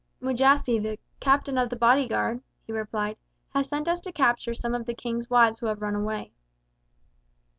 "Mujasi, the Captain of the Bodyguard," he replied, "has sent us to capture some of the King's wives who have run away."